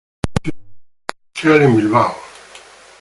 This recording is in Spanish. Estudia Ingeniería Industrial en Bilbao.